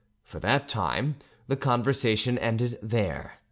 For that time the conversation ended there.